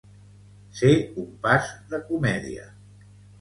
Ser un pas de comèdia.